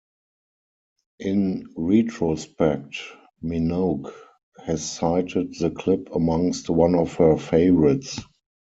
In retrospect, Minogue has cited the clip amongst one of her favourites.